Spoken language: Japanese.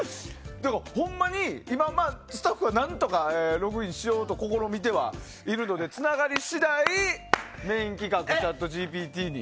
ほんまに今スタッフが何とかログインしようと試みてはいるので、つながり次第メイン企画ＣｈａｔＧＰＴに。